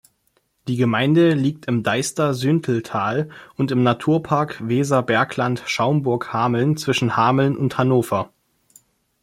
Die Gemeinde liegt im Deister-Süntel-Tal und im Naturpark Weserbergland Schaumburg-Hameln zwischen Hameln und Hannover.